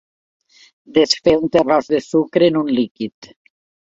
Desfer un terròs de sucre en un líquid.